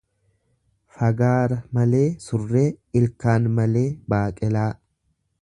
Fagaara malee surree, ilkaan malee baaqelaa.